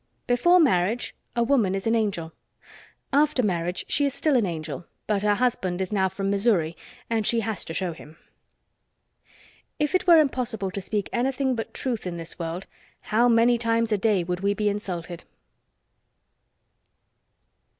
Before marriage a woman is an angel; after marriage she is still an angel, but her husband is now from Missouri, and she has to show him. If it were impossible to speak anything but truth in this world how many times a day would we be insulted.